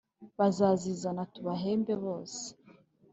bazazizana tubahembe bose